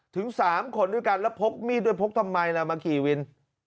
ถึง๓คนด้วยกันแล้วพกมีดด้วยพกทำไมล่ะมาขี่วิน